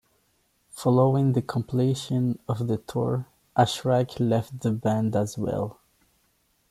Following the completion of the tour, Ashrak left the band as well.